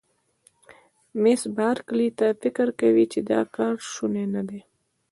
مس بارکلي: ته فکر کوې چې دا کار شونی نه دی؟